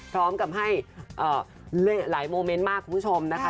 พร้อมกับให้หลายโมเมนต์มากคุณผู้ชมนะคะ